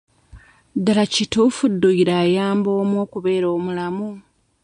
Ddala kituufu dduyiro ayamba omu okubeera omulamu?